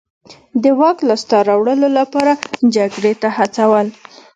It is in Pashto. د واک لاسته راوړلو لپاره جګړې ته هڅول.